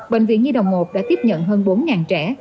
bệnh viện nhi đồng một đã tiếp nhận hơn bốn trẻ